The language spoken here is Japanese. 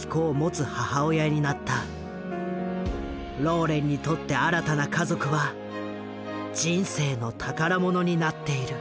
ローレンにとって新たな家族は人生の宝物になっている。